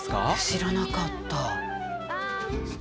知らなかった。